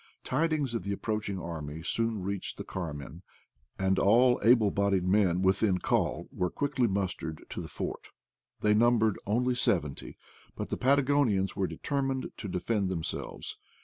Tidings of the approaching army soon reached the Carmen, and all able bodied men within call were quickly mustered in the fort. They numbered only seventy, but the Patagonians were determined to defend themselves.